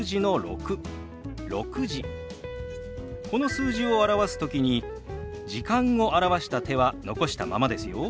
この数字を表す時に「時間」を表した手は残したままですよ。